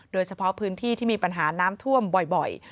โดยเฉพาะพื้นที่ที่มีปัญหาน้ำท่วมบ่อย